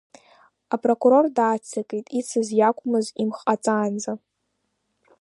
Апрокурор дааццакит, ицыз иакәымз имхҟаҵаанӡа.